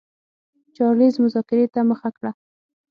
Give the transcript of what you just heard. چارلېز مذاکرې ته مخه کړه.